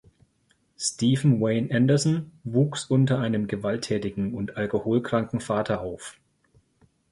Stephen Wayne Anderson wuchs unter einem gewalttätigen und alkoholkranken Vater auf.